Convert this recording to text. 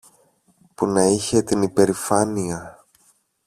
που να είχε την υπερηφάνεια